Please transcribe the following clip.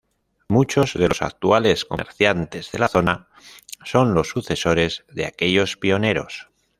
Muchos de los actuales comerciantes de la zona son los sucesores de aquellos pioneros.